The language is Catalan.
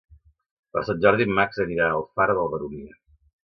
Per Sant Jordi en Max anirà a Alfara de la Baronia.